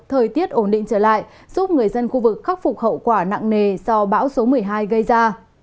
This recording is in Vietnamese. thời tiết ổn định trở lại giúp người dân khu vực khắc phục hậu quả nặng nề do bão số một mươi hai gây ra